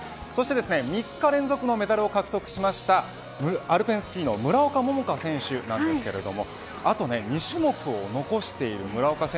そして３日連続のメダルを獲得しましたアルペンスキーの村岡桃佳選手ですがあと２種目を残しています。